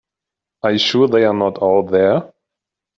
Are you sure they are not all there?